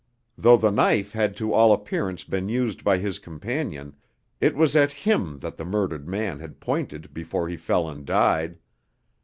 Though the knife had to all appearance been used by his companion, it was at him that the murdered man had pointed before he fell and died.